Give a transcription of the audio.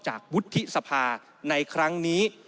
วุฒิสภาในครั้งนี้